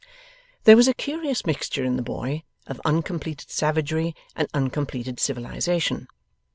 There was a curious mixture in the boy, of uncompleted savagery, and uncompleted civilization.